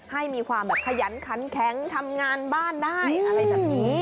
ให้มีความแบบขยันขันแข็งทำงานบ้านได้อะไรแบบนี้